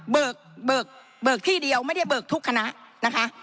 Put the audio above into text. เบิกเบิกที่เดียวไม่ได้เบิกทุกคณะนะคะ